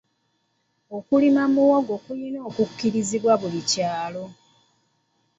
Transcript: Okulima muwogo kulina okubirizibwa mu buli kyalo.